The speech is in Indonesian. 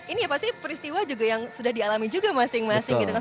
ini ya pasti peristiwa juga yang sudah dialami juga masing masing gitu kan